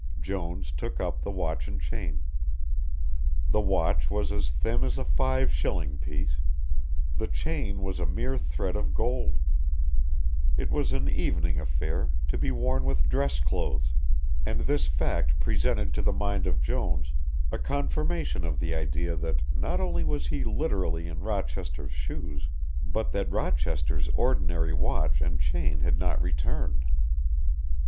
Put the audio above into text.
Jones took up the watch and chain. The watch was as thin as a five shilling piece, the chain was a mere thread of gold. It was an evening affair, to be worn with dress clothes, and this fact presented to the mind of Jones a confirmation of the idea that, not only was he literally in Rochester's shoes, but that Rochester's ordinary watch and chain had not returned.